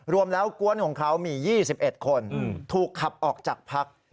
รวมแล้วกวนของเขามี๒๑คนถูกขับออกจากพัก